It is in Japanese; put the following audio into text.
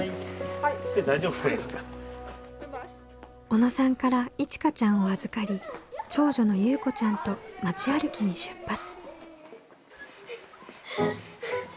小野さんからいちかちゃんを預かり長女のゆうこちゃんと町歩きに出発。